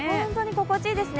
心地いいですね。